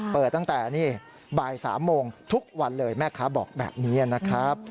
เปิดตั้งแต่นี่บ่าย๓โมงทุกวันเลยแม่ค้าบอกแบบนี้นะครับ